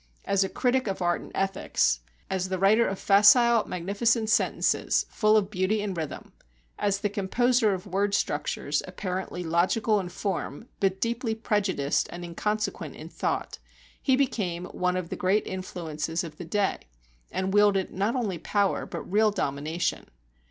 As a critic of art and ethics, as the writer of facile magnificent sentences, full of beauty and rhythm, as the composer of word structures, apparently logical in form but deeply prejudiced and inconsequent in thought, he became one of the great influences of the day, and wielded not only power but real domination.